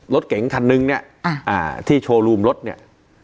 รถเก๋งคันนึงเนี่ยที่โชว์รูมรถเนี่ย